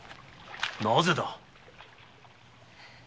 なぜだ？